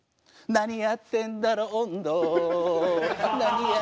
「何やってんだろ音頭」